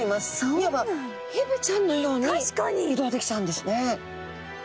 いわばヘビちゃんのように移動できちゃうんですね。